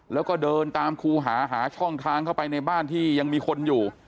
แล้วก็เดินตามครูหาหาช่องทางเข้าไปในบ้านที่ยังมีคนอยู่